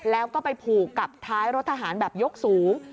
แล้วก็ไปผูกกับท้ายรถทหารแบบยกสูง